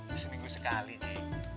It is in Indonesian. bisa minggu sekali ji